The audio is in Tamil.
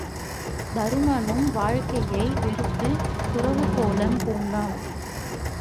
தருமனும் வாழ்க்கையை வெறுத்துத் துறவுக்கோலம் பூண்டான்.